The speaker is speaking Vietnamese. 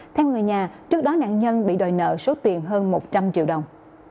theo người nhà trước đó nạn nhân bị đòi nợ số tiền hơn một trăm linh triệu đồng